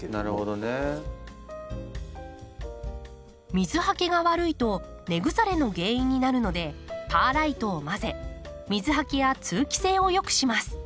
水はけが悪いと根腐れの原因になるのでパーライトを混ぜ水はけや通気性を良くします。